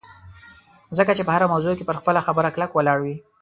ځکه چې په هره موضوع کې پر خپله خبره کلک ولاړ وي